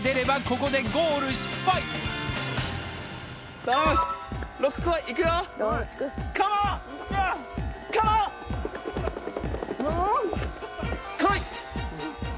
こい！